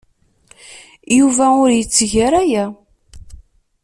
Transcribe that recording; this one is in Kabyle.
Yuba ur yetteg ara aya.